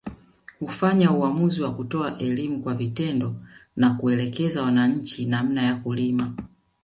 Hufanya uamuzi wa kutoa elimu kwa vitendo na kuelekeza wananchi namna ya kulima